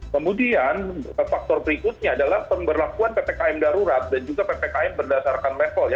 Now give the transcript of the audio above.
kemudian faktor berikutnya adalah pemberlakuan ppkm darurat dan juga ppkm berdasarkan level ya